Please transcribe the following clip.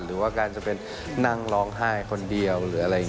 หรือว่าการจะเป็นนั่งร้องไห้คนเดียว